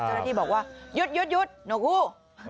เจ้าหน้าที่บอกว่าหยุดหนกอู้